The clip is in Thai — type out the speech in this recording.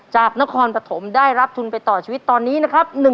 จากนครปฐมได้รับทุนไปต่อชีวิตตอนนี้นะครับ